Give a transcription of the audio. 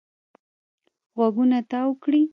غوږونه تاو کړي.